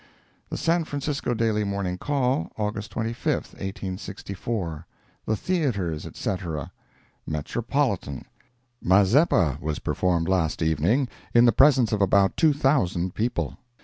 The San Francisco Daily Morning Call, August 25, 1864 THE THEATRES, ETC. METROPOLITAN.—"Mazeppa" was performed last evening, in the presence of about two thousand people.